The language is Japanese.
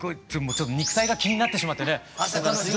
ちょっと肉体が気になってしまってね。